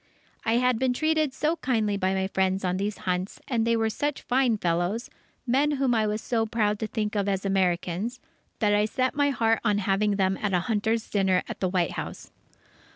I had been treated so kindly by my friends on these hunts, and they were such fine fellows, men whom I was so proud to think of as Americans, that I set my heart on having them at a hunters' dinner at the White House.